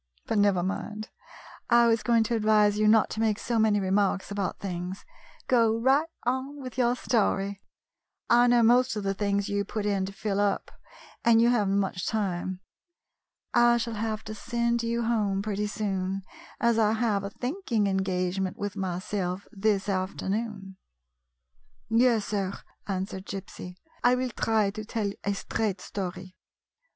But never mind, I was going to advise you not to make so many remarks about things. Go right on with your story. I know most of the things you put in to fill up, and you have n't much time. I shall have to send you A CONFIDENTIAL TALK home pretty soon, as I have a thinking engage ment with myself this afternoon." " Yes, sir," answered Gypsy, " I will try to tell a straight story.